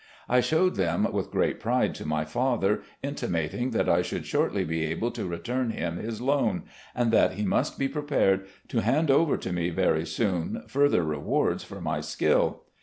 I showed them with great pride to my father, intimating that I should shortly be able to return him his loan, and that, he must be prepared to hand over to me very soon further rewards for my skill.